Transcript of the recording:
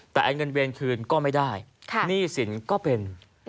แต่ไอ้เงินเวรคืนก็ไม่ได้หนี้สินก็เป็น